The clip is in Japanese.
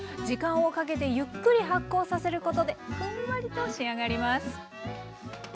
時間をかけてゆっくり発酵させることでふんわりと仕上がります。